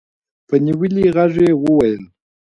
په نيولي غږ يې وويل.